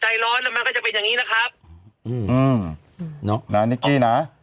ใจร้อนแล้วมันก็จะเป็นอย่างงี้นะครับอืมอืมเนอะนะนิกกี้นะ